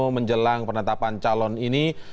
menjelang penetapan calon ini